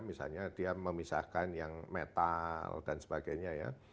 misalnya dia memisahkan yang metal dan sebagainya ya